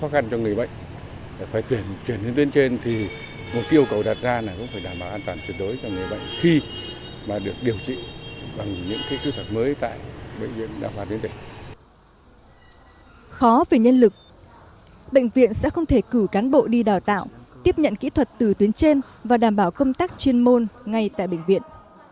khó về nhân lực bệnh viện sẽ không thể cử cán bộ đi đào tạo tiếp nhận kỹ thuật từ tuyến trên và đảm bảo công tác chuyên môn ngay tại bệnh viện